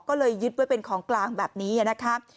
ก็เลยยึดไว้เป็นของกลางแบบนี้นะครับ